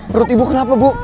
perut ibu kenapa bu